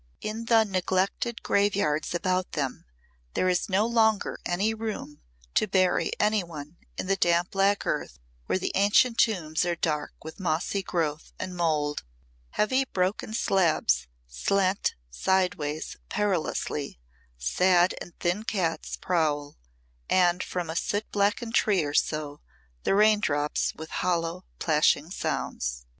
In the neglected graveyards about them there is no longer any room to bury any one in the damp black earth where the ancient tombs are dark with mossy growth and mould, heavy broken slabs slant sidewise perilously, sad and thin cats prowl, and from a soot blackened tree or so the rain drops with hollow, plashing sounds.